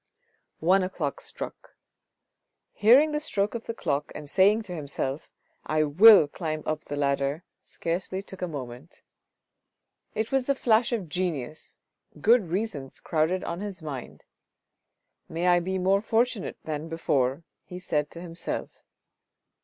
One o'clock struck. Hearing the stroke of the clock and saying to himself, " I will climb up the ladder," scarcely took a moment. It was the flash of genius, good reasons crowded on his mind. " May I be more fortunate than before," he said to himself.